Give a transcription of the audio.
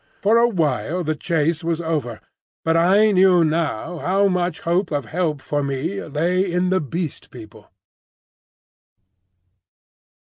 For a while the chase was over; but I knew now how much hope of help for me lay in the Beast People.